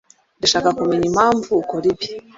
Ndashaka kumenya impamvu ukora ibi.